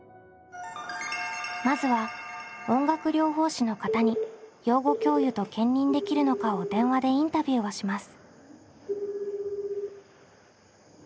まずは音楽療法士の方に養護教諭と兼任できるのかを電話でインタビューをします。